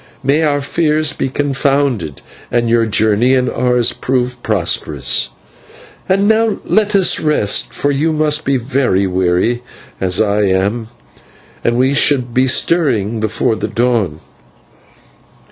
"May our fears be confounded, and your journey and ours prove prosperous. And now let us rest, for you must be very weary, as I am, and we should be stirring before the dawn."